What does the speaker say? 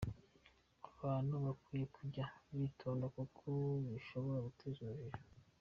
Abantu bakwiye kujya bitonda kuko bishobora guteza urujijo